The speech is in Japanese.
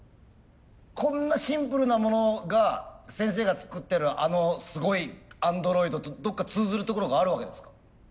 こんなシンプルなものが先生が作ってるあのすごいアンドロイドとどっか通ずるところがあるわけですか？